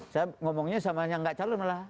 saya berbicara sama yang tidak calon